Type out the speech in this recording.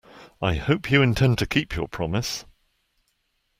I hope you intend to keep your promise.